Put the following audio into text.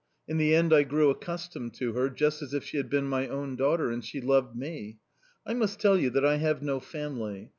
In the end I grew accustomed to her just as if she had been my own daughter, and she loved me. I must tell you that I have no family.